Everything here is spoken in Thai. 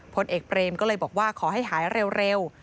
พลเอกเปรมก็เลยบอกว่าขอให้หายเร็ว